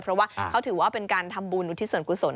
เพราะว่าเขาถือว่าเป็นการทำบุญอุทิศส่วนกุศล